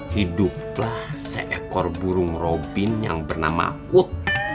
hiduplah seekor burung robin yang bernama hut